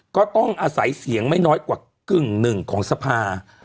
ก็ต้องอาศัยเสียงไม่น้อยกว่ากึ่งหนึ่งของสภา